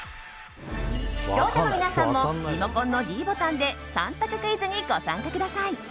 視聴者の皆さんもリモコンのｄボタンで３択クイズにご参加ください。